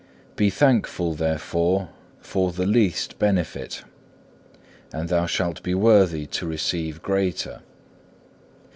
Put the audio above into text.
5. Be thankful, therefore, for the least benefit and thou shalt be worthy to receive greater.